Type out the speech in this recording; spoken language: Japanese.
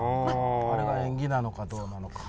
あれが演技なのかどうなのか。